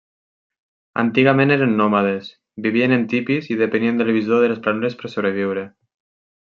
Antigament eren nòmades, vivien en tipis i depenien del bisó de les planures per sobreviure.